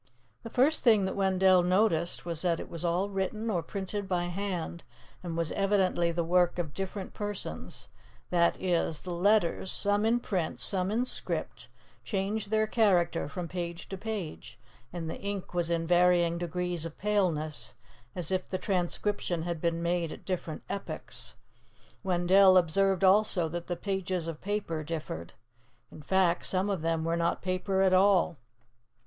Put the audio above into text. The first thing that Wendell noticed was that it was all written or printed by hand and was evidently the work of different persons; that is, the letters, some in print, some in script, changed their character from page to page, and the ink was in varying degrees of paleness, as if the transcription had been made at different epochs. Wendell observed also that the pages of paper differed. In fact, some of them were not paper at all.